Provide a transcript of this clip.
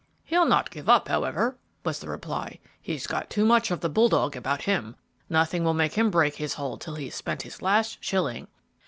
"He'll not give up, however," was the reply; "he's got too much of the bull dog about him; nothing will make him break his hold till he has spent his last shilling."